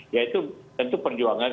yaitu tentu perjuangan